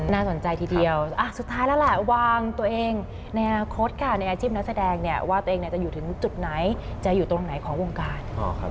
น่าสนใจทีเดียวสุดท้ายแล้วแหละวางตัวเองในอนาคตค่ะในอาชีพนักแสดงเนี่ยว่าตัวเองจะอยู่ถึงจุดไหนจะอยู่ตรงไหนของวงการ